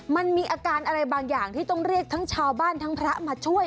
มันมีอาการอะไรบางอย่างที่ต้องเรียกทั้งชาวบ้านทั้งพระมาช่วย